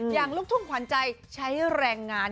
ลูกทุ่งขวัญใจใช้แรงงาน